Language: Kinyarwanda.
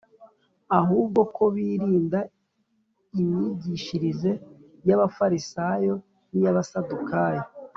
ahubwo ko birinda imyigishirize y’Abafarisayo n’iy’Abasadukayo.